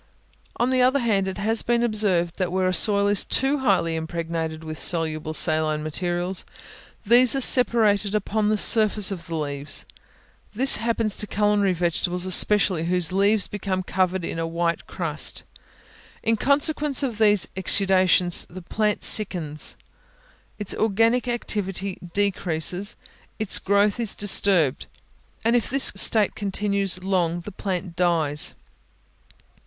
On the other hand, it has been observed, that where a soil is too highly impregnated with soluble saline materials, these are separated upon the surface of the leaves. This happens to culinary vegetables especially, whose leaves become covered with a white crust. In consequence of these exudations the plant sickens, its organic activity decreases, its growth is disturbed; and if this state continues long, the plant dies.